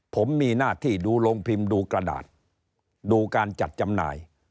ผมมีหน้าที่ดูโรงพิมพ์ดูกระดาษดูการจัดจำหน่าย